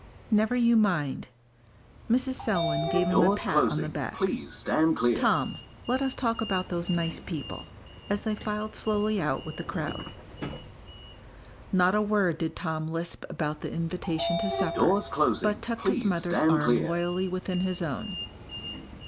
"Never you mind." Mrs. Selwyn gave him a pat on the back. "Tom, let us talk about those nice people," as they filed slowly out with the crowd. Not a word did Tom lisp about the invitation to supper, but tucked his mother's arm loyally within his own.